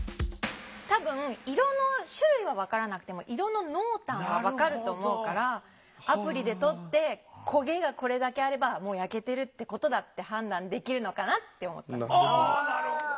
多分色の種類は分からなくても色の濃淡は分かると思うからアプリで撮って焦げがこれだけあればもう焼けてるってことだって判断できるのかなって思ったんです。